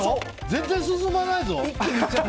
全然進まないぞ。